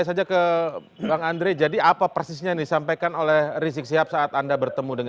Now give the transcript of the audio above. partai ini pertama waktu yang disampaikan oleh ardi rizik ya kepada kami